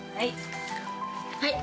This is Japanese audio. はい。